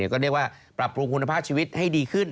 ก็เรียกว่าปรับปรุงคุณภาพชีวิตให้ดีขึ้น